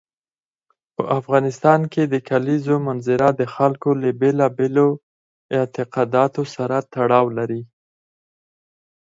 په افغانستان کې د کلیزو منظره د خلکو له بېلابېلو اعتقاداتو سره تړاو لري.